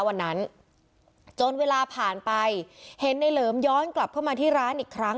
วันนั้นจนเวลาผ่านไปเห็นในเหลิมย้อนกลับเข้ามาที่ร้านอีกครั้ง